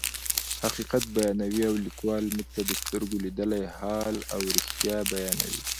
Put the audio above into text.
حقیقت بیانوي او لیکوال موږ ته د سترګو لیدلی حال او رښتیا بیانوي.